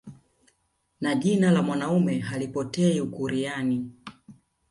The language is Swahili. Na jina la mwanaume halipotei ukuryani